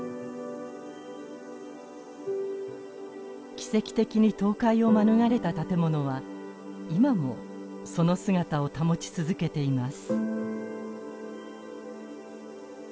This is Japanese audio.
奇跡的に倒壊を免れた建物は今もその姿を保ち続けています。